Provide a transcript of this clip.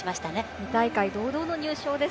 ２大会堂々の入賞です。